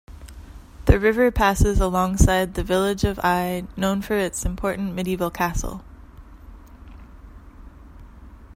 The river passes alongside the village of Eye, known for its important medieval castle.